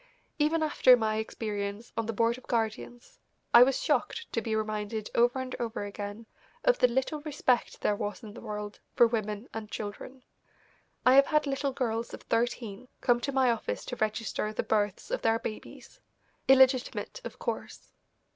Even after my experience on the Board of Guardians, I was shocked to be reminded over and over again of the little respect there was in the world for women and children. I have had little girls of thirteen come to my office to register the births of their babies, illegitimate, of course.